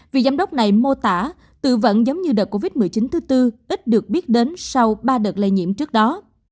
vì giám đốc này mô tả tự vận giống như đợt covid một mươi chín thứ tư ít được biết đến sau ba đợt lây nhiễm trước đó